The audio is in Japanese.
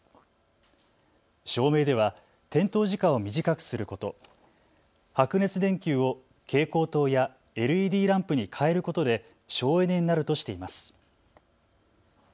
照明では点灯時間を短くすること、白熱電球を蛍光灯やＬＥＤランプにかえることで省エネになるとしています。